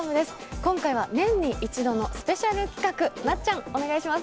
今回は年に一度のスペシャル企画なっちゃんお願いします